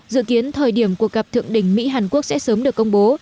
dự kiến thời điểm cuộc gặp thượng đỉnh mỹ hàn quốc sẽ sớm được công bố